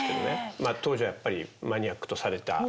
まあ当時はやっぱりマニアックとされた。